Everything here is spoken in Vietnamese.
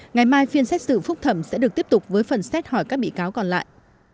ngày mai phiên xét xử phúc thẩm sẽ được tiếp tục với phần xét hỏi các bị cáo còn lại